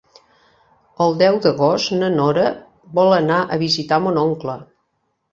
El deu d'agost na Nora vol anar a visitar mon oncle.